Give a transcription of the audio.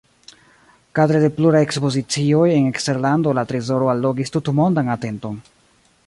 Kadre de pluraj ekspozicioj en eksterlando la trezoro allogis tutmondan atenton.